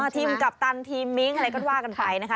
กัปตันทีมมิ้งอะไรก็ว่ากันไปนะคะ